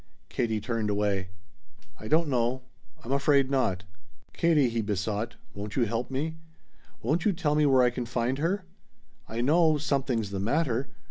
Katie turned away. "I don't know. I'm afraid not." "Katie," he besought, "won't you help me? Won't you tell me where I can find her? I know something's the matter.